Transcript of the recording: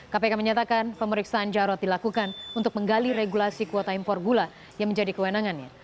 kpk menyatakan pemeriksaan jarod dilakukan untuk menggali regulasi kuota impor gula yang menjadi kewenangannya